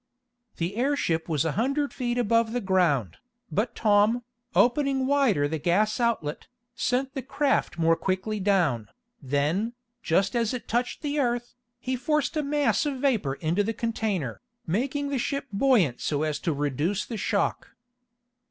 The airship was a hundred feet above the ground, but Tom, opening wider the gas outlet, sent the craft more quickly down. Then, just as it touched the earth, he forced a mass of vapor into the container, making the ship buoyant so as to reduce the shock.